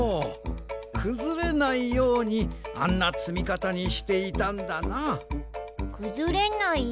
くずれないようにあんなつみかたにしていたんだな。